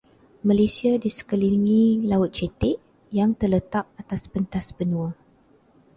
Malaysia dikelilingi laut cetek yang terletak atas pentas benua.